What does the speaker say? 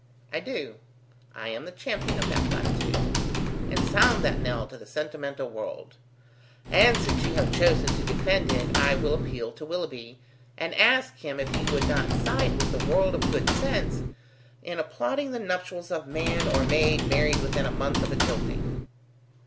"I do; I am the champion of that platitude, and sound that knell to the sentimental world; and since you have chosen to defend it, I will appeal to Willoughby, and ask him if he would not side with the world of good sense in applauding the nuptials of man or maid married within a month of a jilting?"